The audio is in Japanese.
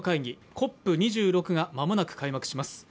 ＣＯＰ２６が間もなく開幕します。